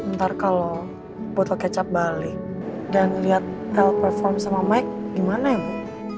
ntar kalau botol kecap balik dan liat el perform sama mike gimana ya bu